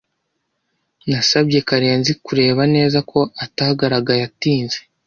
Nasabye Karenzi kureba neza ko atagaragaye atinze.